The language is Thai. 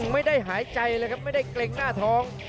ไม่ได้หายใจเลยครับไม่ได้เกร็งหน้าท้อง